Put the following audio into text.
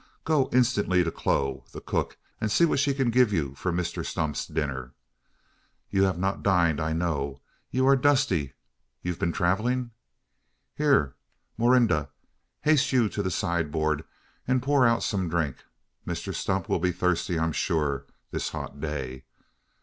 go instantly to Chloe, the cook, and see what she can give you for Mr Stump's dinner. You have not dined, I know. You are dusty you've been travelling? Here, Morinda! Haste you to the sideboard, and pour out some drink. Mr Stump will be thirsty, I'm sure, this hot day.